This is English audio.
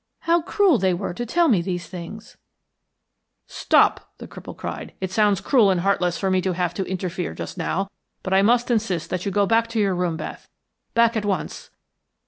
How cruel they were to tell me these things " "Stop," the cripple cried. "It sounds cruel and heartless for me to have to interfere just now, but I must insist that you go back to your room, Beth. Back at once."